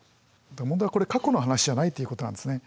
問題はこれ過去の話じゃないということなんですね。